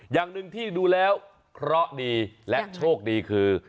อย่างหนึ่งที่ดูแล้วเคราะห์ดีและโชคดีคือ